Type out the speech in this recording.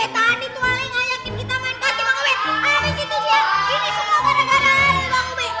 tadi tuale gak yakin kita main kasti bang ub